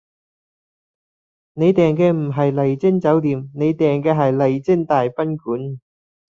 你訂嘅唔係麗晶酒店，你訂嘅係麗晶大賓館